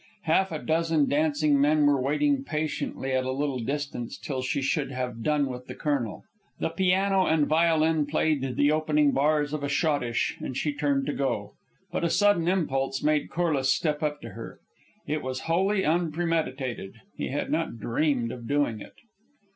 Half a dozen dancing men were waiting patiently at a little distance till she should have done with the colonel. The piano and violin played the opening bars of a schottische, and she turned to go; but a sudden impulse made Corliss step up to her. It was wholly unpremeditated; he had not dreamed of doing it.